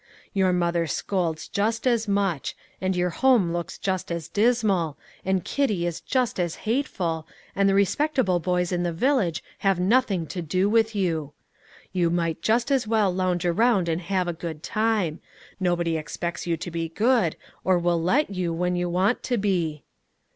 Your mother scolds just as much, and your home looks just as dismal, and Kitty is just as hateful, and the respectable boys in the village have nothing to do with you. You might just as well lounge around and have a good time. Nobody expects you to be good, or will let you, when you want to be."